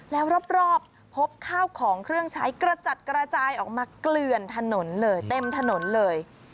แล้วรอบพบข้าวของเครื่องใช้กระจัดกระจายออกมาเกลือนถนนเลยเต็มถนนเลย